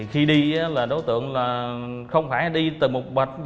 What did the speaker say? khi đi là đối tượng là không phải đi từ một bạch